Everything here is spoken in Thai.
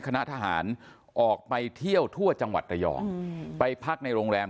คณะทหารออกไปเที่ยวทั่วจังหวัดระยองไปพักในโรงแรม